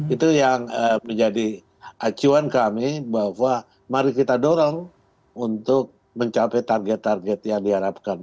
itu yang menjadi acuan kami bahwa mari kita dorong untuk mencapai target target yang diharapkan